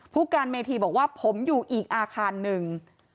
ผู้การเมธีบอกว่าผมอยู่อีกอาคารหนึ่ง